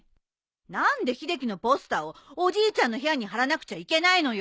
何で秀樹のポスターをおじいちゃんの部屋に貼らなくちゃいけないのよ。